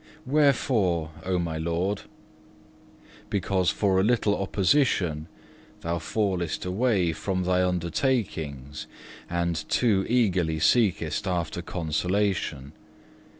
2. Wherefore, O my Lord? 3. "Because for a little opposition thou fallest away from thy undertakings, and too eagerly seekest after consolation.